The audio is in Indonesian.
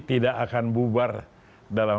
tidak akan bubar dalam